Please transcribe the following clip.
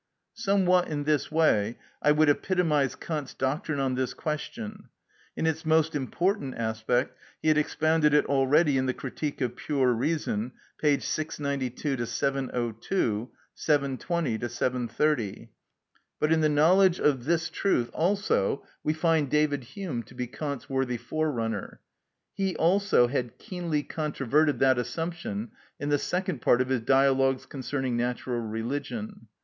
Somewhat in this way I would epitomise Kant's doctrine on this question. In its most important aspect he had expounded it already in the "Critique of Pure Reason," p. 692 702; V., 720 730. But in the knowledge of this truth also we find David Hume to be Kant's worthy forerunner. He also had keenly controverted that assumption in the second part of his "Dialogues concerning Natural Religion."